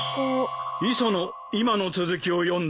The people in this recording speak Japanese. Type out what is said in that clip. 磯野今の続きを読んで。